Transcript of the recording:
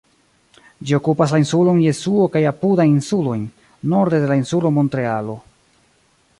Ĝi okupas la insulon Jesuo kaj apudajn insulojn, norde de la insulo Montrealo.